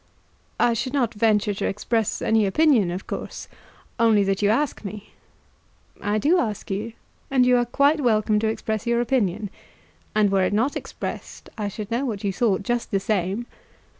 "I should not venture to express any opinion, of course, only that you ask me." "I do ask you, and you are quite welcome to express your opinion. And were it not expressed, I should know what you thought just the same.